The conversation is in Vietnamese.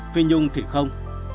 phi nhung thì không